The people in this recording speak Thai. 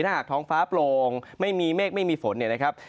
ถ้าหากท้องฟ้าโปร่งไม่มีเมฆไม่มีฝนเนี่ยนะครับ